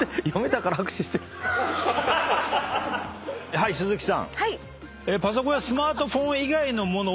はい鈴木さん。